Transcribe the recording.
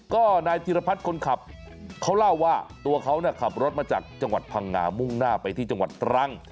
ก็นายธิรพัฒน์คนขับเขาเล่าว่าตัวเขาขับรถมาจากจังหวัดพังงามุ่งหน้าไปที่จังหวัดตรัง